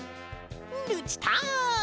ルチタン！